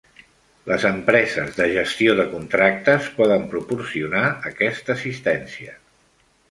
Les empreses de gestió de contractes poden proporcionar aquesta assistència.